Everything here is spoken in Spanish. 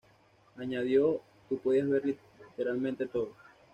Añadió "tu podías ver literalmente todo".